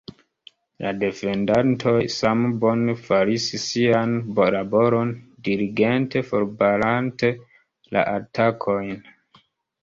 La defendantoj same bone faris sian laboron, diligente forbarante la atakojn.